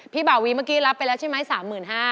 บ่าวีเมื่อกี้รับไปแล้วใช่ไหม๓๕๐๐บาท